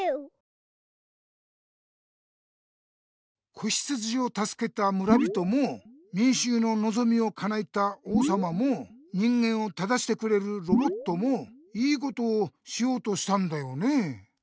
子ヒツジをたすけた村人もみんしゅうののぞみをかなえた王さまも人間を正してくれるロボットも良いことをしようとしたんだよね。